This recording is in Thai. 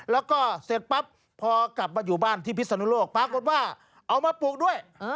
แล้วก็เสร็จปั๊บพอกลับมาอยู่บ้านที่พิศนุโลกปรากฏว่าเอามาปลูกด้วย